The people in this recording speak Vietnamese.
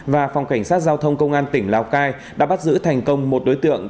và phòng cảnh sát giao thông công an tỉnh lào cai đã bắt giữ thành công một đối tượng